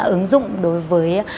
ứng dụng đối với